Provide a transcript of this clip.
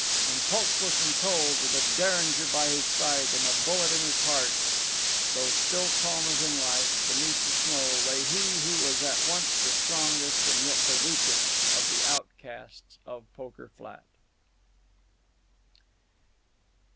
And pulseless and cold, with a Derringer by his side and a bullet in his heart, though still calm as in life, beneath the snow lay he who was at once the strongest and yet the weakest of the outcasts of Poker Flat.